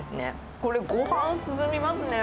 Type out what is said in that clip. これ、ごはん進みますね。